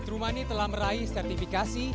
true money telah meraih sertifikasi